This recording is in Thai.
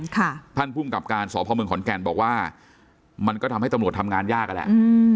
ท่านภูมิกับการสพเมืองขอนแก่นบอกว่ามันก็ทำให้ตำรวจทำงานยากนั่นแหละอืม